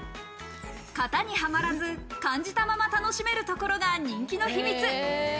型にはまらず、感じたまま楽しめるところが人気の秘密。